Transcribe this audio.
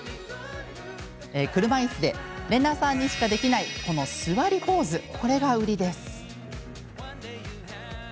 車いすでレナさんにしかできないすわりポーズが売りです。